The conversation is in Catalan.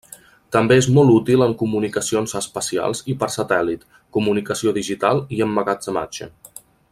També és molt útil en comunicacions espacials i per satèl·lit, comunicació digital i emmagatzematge.